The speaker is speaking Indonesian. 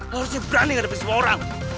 lo harusnya berani gak dapet semua orang